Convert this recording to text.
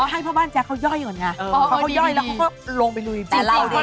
ให้พ่อบ้านแจ๊คเขาย่อยก่อนไงพอเขาย่อยแล้วเขาก็ลงไปลุยกินเหล้าด้วย